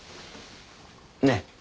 ねえ？